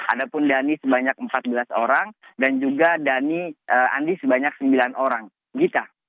adapun dhani sebanyak empat belas orang dan juga andi sebanyak sembilan orang